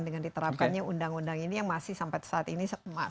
dengan diterapkannya undang undang ini yang masih sampai saat ini